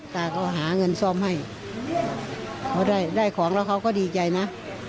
ตาก็หาเงินซ่อมให้เขาได้ของแล้วเขาก็ดีใจนะ